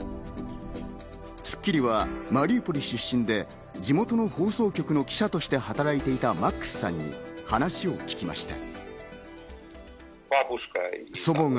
『スッキリ』はマリウポリ出身で地元の放送局の記者として働いていたマックスさんに話を聞きました。